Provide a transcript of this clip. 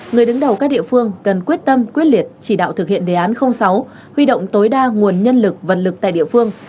người đứng đầu các địa phương cần quyết tâm quyết liệt chỉ đạo thực hiện đề án sáu huy động tối đa nguồn nhân lực vật lực tại địa phương